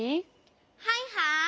はいはい！